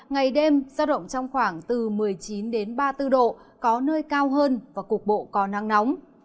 ngày đêm giao động trong khoảng từ một mươi chín đến ba mươi bốn độ có nơi cao hơn và cục bộ có nắng nóng